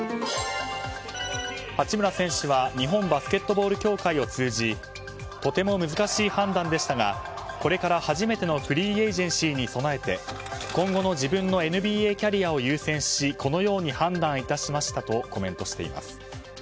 八村選手は日本バスケットボール協会を通じとても難しい判断でしたがこれから初めてのフリーエージェンシーに備えて今後の自分のＮＢＡキャリアを優先しこのように判断いたしましたとコメントしています。